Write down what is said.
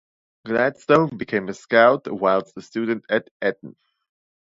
Gladstone became a Scout whilst a student at Eton.